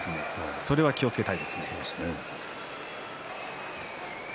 それは気をつけたいですね。